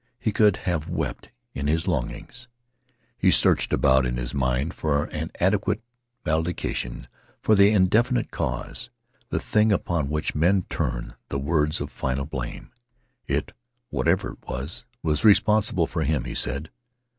He could have wept in his longings. He searched about in his mind for an adequate malediction for the indefinite cause, the thing upon which men turn the words of final blame. It whatever it was was responsible for him, he said.